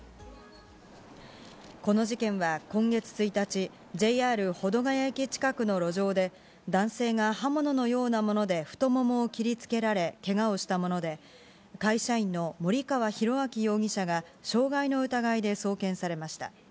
この事件は今月１日、ＪＲ保土ケ谷駅近くの路上で、男性が刃物のようなもので太ももを切りつけられ、けがをしたもので、会社員の森川浩昭容疑者が、傷害の疑いで送検されました。